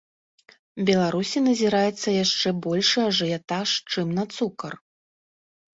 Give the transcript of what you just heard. Беларусі назіраецца яшчэ большы ажыятаж, чым на цукар.